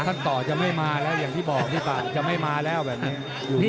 ขั้นต่อจะไม่มาแล้วอย่างที่บอกพี่ปากจะไม่มาแล้วแบบนี้